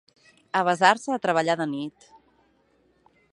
Avesar-se a treballar de nit.